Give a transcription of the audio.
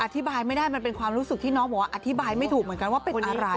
อธิบายไม่ได้มันเป็นความรู้สึกที่น้องบอกว่าอธิบายไม่ถูกเหมือนกันว่าเป็นอะไร